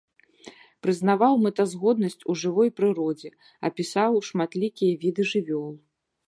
Прызнаваў мэтазгоднасць у жывой прыродзе, апісаў шматлікія віды жывёл.